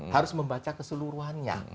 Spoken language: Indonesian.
harus membaca keseluruhannya